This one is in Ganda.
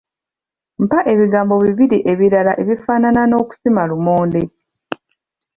Mpa ebigambo bibiri ebirala ebifaanana n'okusima lumonde?